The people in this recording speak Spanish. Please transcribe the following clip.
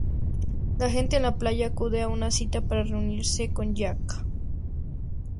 La gente en la playa acude a una cita para reunirse con Jack.